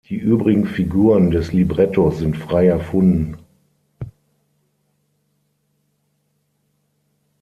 Die übrigen Figuren des Librettos sind frei erfunden.